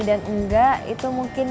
dan enggak itu mungkin